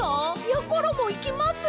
やころもいきます！